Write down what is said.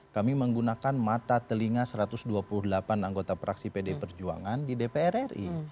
kami menggunakan mata telinga satu ratus dua puluh delapan anggota praksi pd perjuangan di dpr ri